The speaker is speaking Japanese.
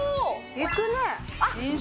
いくね。